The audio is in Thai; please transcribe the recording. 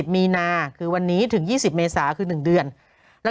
โหยวายโหยวายโหยวายโหยวาย